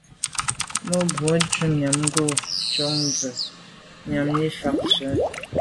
Mbwe njùmbwe ngùnyàm bo ngab Njon tshen nyàm ni fa ke ntsw’a là’.